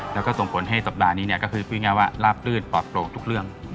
แล้วก็ส่งผลให้สัปดาห์นี้ก็คือพูดง่ายว่าลาบลื่นปลอดโปร่งทุกเรื่อง